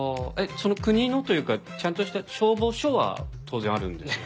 その国のというかちゃんとした消防署は当然あるんですよね？